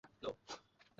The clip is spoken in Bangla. সে মারা গেছে।